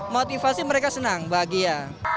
motivasi mereka senang bahagia